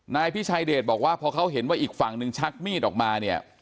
นายพิชัยเดชบอกว่าพอเขาเห็นว่าอีกฝั่งนึงชักมีดออกมาเนี่ย